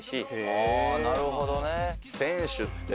はあなるほどね。